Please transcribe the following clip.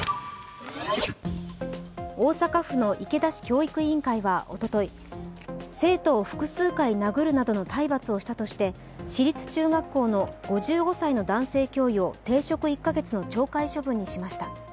大阪府の池田市教育委員会はおととい、生徒を複数回殴るなどの体罰をしたとして市立中学校の５５歳の男性教諭を停職１か月の懲戒処分にしました。